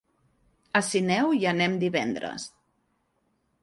A Sineu hi anem divendres.